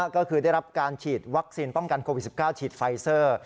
ก็คือได้รับการฉีดวัคซีนป้องกันโควิด๑๙ฉีดไฟเซอร์